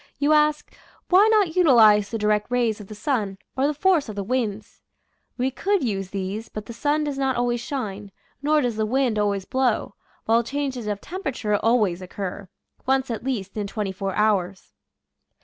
You ask, Why not utilize the direct rays of the sun, or the force of the winds? We could use these, but the sun does not always shine, nor does the wind always blow, while changes of temperature always occur, once at least in twenty four hours.